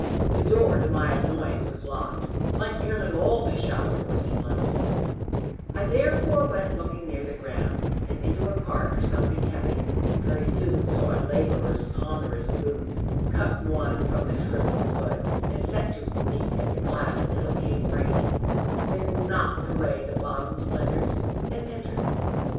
The door, to my annoyance, was locked, like nearly all the shop doors in London: I therefore went looking near the ground, and into a cart, for something heavy, very soon saw a labourer's ponderous boots, cut one from the shrivelled foot, and set to beat at the glass till it came raining; then knocked away the bottom splinters, and entered.